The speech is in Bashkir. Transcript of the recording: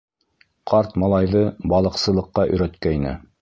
Ҡарт малайҙы балыҡсылыҡҡа өйрәткәйне.